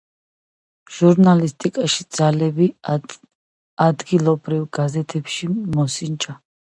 ჟურნალისტიკაში ძალები ადგილობრივ გაზეთებში მოსინჯა.